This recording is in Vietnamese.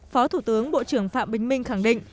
phó thủ tướng bộ trưởng phạm bình minh khẳng định